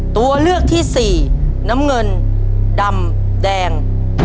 ตัวเลือกที่สี่น้ำเงินดำแดง